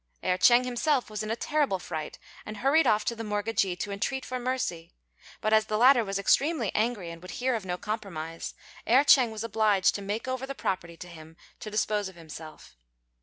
Erh ch'êng himself was in a terrible fright, and hurried off to the mortgagee to entreat for mercy; but as the latter was extremely angry and would hear of no compromise, Erh ch'êng was obliged to make over the property to him to dispose of himself.